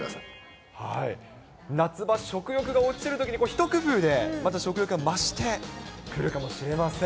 夏場、食欲が落ちるときに一工夫で、また食欲が増してくるかもしれません。